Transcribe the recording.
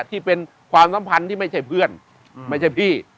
ที่เป็นความสัมพันธ์ที่ไม่ใช่เพื่อนไม่ใช่พี่